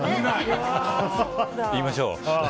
言いましょう。